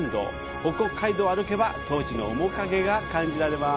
北国街道を歩けば当時の面影を感じられます。